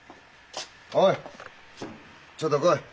おいちょっと来い！